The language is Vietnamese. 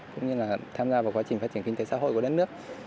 cũng như là tham gia vào quá trình phát triển kinh tế xã hội của đất nước